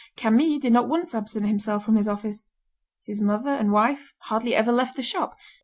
Camille did not once absent himself from his office. His mother and wife hardly ever left the shop.